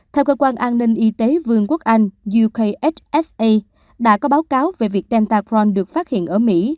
theo cơ quan an ninh y tế vương quốc anh uksa đã có báo cáo về việc delta cron được phát hiện ở mỹ